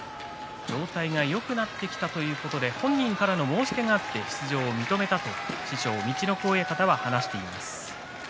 状態がよくなってきたということで本人からの申し出があって出場を認めたと師匠陸奥親方は話しています。